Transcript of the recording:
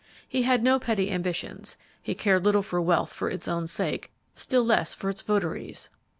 He had no petty ambitions; he cared little for wealth for its own sake, still less for its votaries.